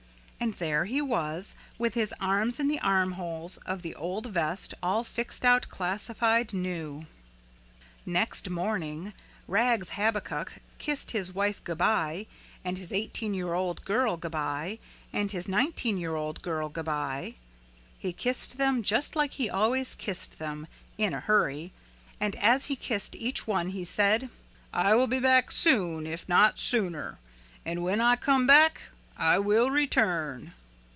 And there he was with his arms in the armholes of the old vest all fixed out classified new. Next morning Rags Habakuk kissed his wife g'by and his eighteen year old girl g'by and his nineteen year old girl g'by. He kissed them just like he always kissed them in a hurry and as he kissed each one he said, "I will be back soon if not sooner and when I come back I will return."